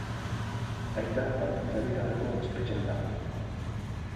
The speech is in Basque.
Aita baldintzarik gabeko espetxean dago.